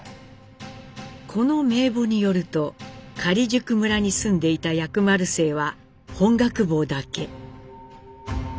この名簿によると假宿村に住んでいた薬丸姓は本覚坊だけ。